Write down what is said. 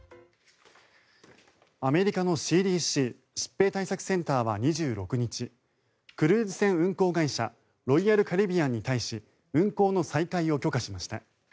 アメリカのＣＤＣ・疾病対策センターは２６日クルーズ船運航会社ロイヤルカリビアンに対し運航の再開を許可しました。